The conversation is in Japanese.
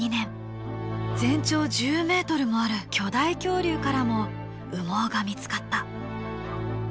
全長１０メートルもある巨大恐竜からも羽毛が見つかった。